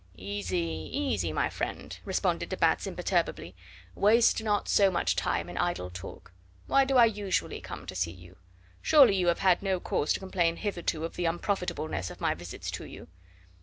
"Easy, easy, my friend," responded de Batz imperturbably; "waste not so much time in idle talk. Why do I usually come to see you? Surely you have had no cause to complain hitherto of the unprofitableness of my visits to you?"